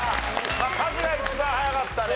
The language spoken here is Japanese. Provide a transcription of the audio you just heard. カズが一番早かったね。